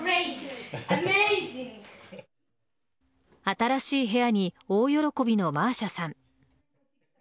新しい部屋に大喜びのマーシャさん。